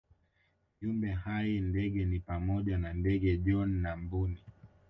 Viumbe hai ndege ni pamoja na ndege John na Mbuni